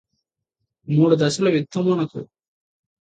మూడు దశలు విత్తమునకు